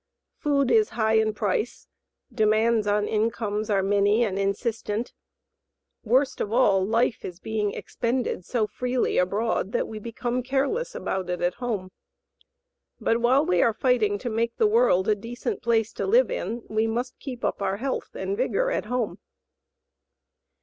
Food is high in price, demands on incomes are many and insistent, worst of all, life is being expended so freely abroad that we become careless about it at home. But while we are fighting to make the world a decent place to live in, we must keep up our health and vigor at home.